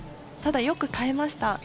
ただ、よく耐えました。